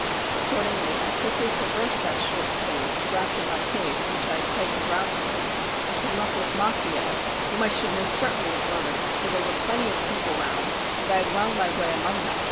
Accordingly, I quickly traversed that short space, wrapped in my cape, which I had tightened round me, and came up with Maffio, whom I should most certainly have murdered; for there were plenty of people round, and I had wound my way among them.